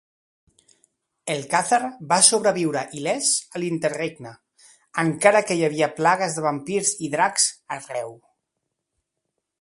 Erlkazar va sobreviure il·lès a l'Interregne, encara que hi havia plagues de vampirs i dracs arreu.